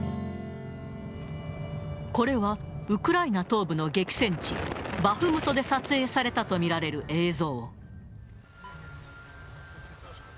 これはウクライナ東部の激戦地、バフムトで撮影されたと見られる映像。